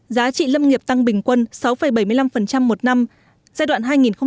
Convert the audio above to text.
giá trị lâm nghiệp tăng bình quân sáu bảy mươi năm một năm giai đoạn hai nghìn một mươi ba hai nghìn một mươi sáu